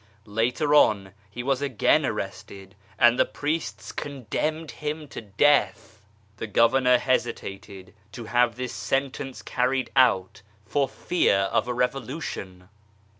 Later on he was again arrested, and the priests condemned him to death 1 The Governor hesitated to have this sentence carried out for fear of a revolution.